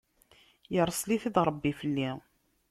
Irṣel-it-id Ṛebbi fell-i.